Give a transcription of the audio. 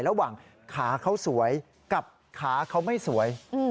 ระหว่างขาเขาสวยกับขาเขาไม่สวย